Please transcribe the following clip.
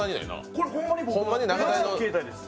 これ、ホンマに僕の携帯です。